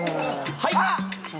はい。